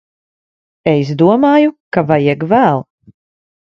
Es domāju ka vajag vēl.